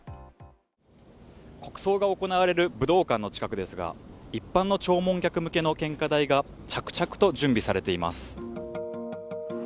国葬が行われる武道館の近くですが一般の弔問客向けの献花台が着々と準備されています。